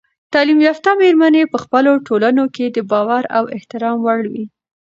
تعلیم یافته میرمنې په خپلو ټولنو کې د باور او احترام وړ وي.